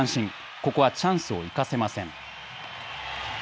ここはチャンスを生かせません。